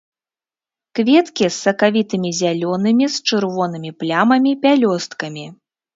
Кветкі з сакавітымі зялёнымі з чырвонымі плямамі пялёсткамі.